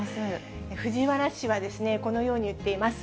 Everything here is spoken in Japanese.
藤代氏は、このように言っています。